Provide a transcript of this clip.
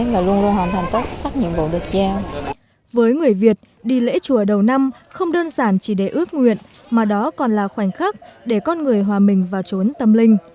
với người việt đi lễ chùa đầu năm không đơn giản chỉ để ước nguyện mà đó còn là khoảnh khắc để con người hòa mình vào trốn tâm linh